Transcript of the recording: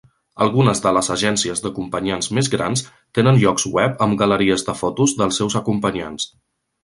Algunes de les agències d'acompanyants més grans tenen llocs web amb galeries de fotos dels seus acompanyants.